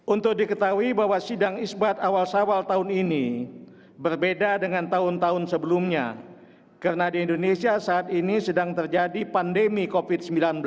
untuk diketahui bahwa sidang isbat awal sawal tahun ini berbeda dengan tahun tahun sebelumnya karena di indonesia saat ini sedang terjadi pandemi covid sembilan belas